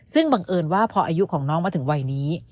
ซึ่งบังเอิญว่าพออายุของน้องมาถึงวัยนี้